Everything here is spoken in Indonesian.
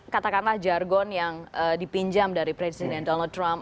katakanlah jargon yang dipinjam dari presiden donald trump